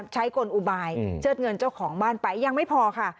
กลอุบายเชิดเงินเจ้าของบ้านไปยังไม่พอค่ะ